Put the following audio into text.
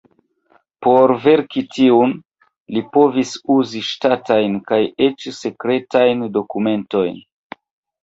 Por verki tiun, li povis uzi ŝtatajn kaj eĉ sekretajn dokumentojn.